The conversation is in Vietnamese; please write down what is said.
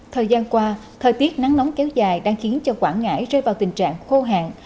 thời gian qua thời tiết nắng nóng kéo dài đang khiến cho quảng ngãi rơi vào tình trạng khô hạn